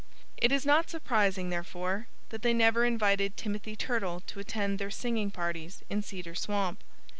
It is not surprising, therefore, that they never invited Timothy Turtle to attend their singing parties in Cedar Swamp.